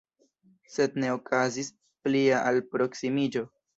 Sed ne okazis plia alproksimiĝo.